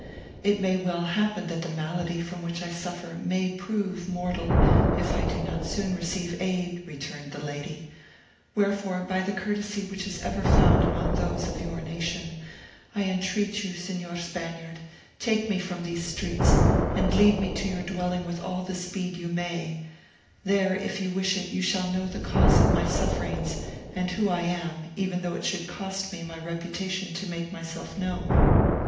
'It may well happen that the malady from which I suffer may prove mortal, if I do not soon receive aid,' returned the lady, 'wherefore, by the courtesy which is ever found among those of your nation, I entreat you, Signor Spaniard, take me from these streets, and lead me to your dwelling with all the speed you may; there, if you wish it, you shall know the cause of my sufferings, and who I am, even though it should cost me my reputation to make myself known.'